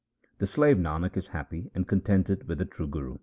The slave Nanak is happy and contented with the true Guru.